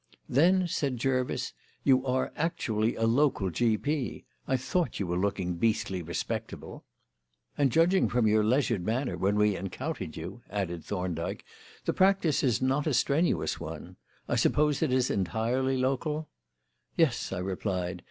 "Then," said Jervis, "you are actually a local G.P. I thought you were looking beastly respectable." "And, judging from your leisured manner when we encountered you," added Thorndyke, "the practice is not a strenuous one. I suppose it is entirely local?" "Yes," I replied.